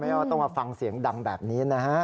ว่าต้องมาฟังเสียงดังแบบนี้นะฮะ